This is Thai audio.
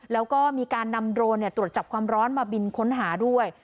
แล้วก็มีการนำโดรนตรวจจับความร้อนมาบินค้นหาด้วย